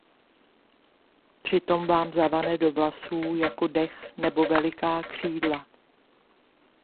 Přitom vám zavane do vlasů, jako dech nebo veliká křídla.